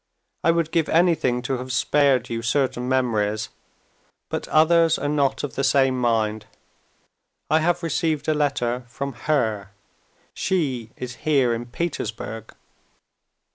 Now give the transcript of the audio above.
I would give anything to have spared you certain memories, but others are not of the same mind. I have received a letter from her. She is here in Petersburg."